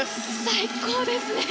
最高ですね！